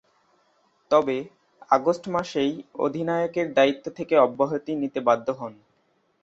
তবে, আগস্ট মাসেই অধিনায়কের দায়িত্ব থেকে অব্যাহতি নিতে বাধ্য হন।